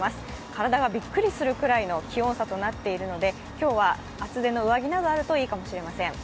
体がびっくりするぐらいの気温差となっているので今日は厚手の上着などあるといいかもしれません。